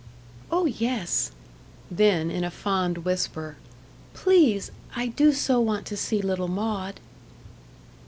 "Oh, yes." Then, in a fond whisper, "Please, I do so want to see little Maud."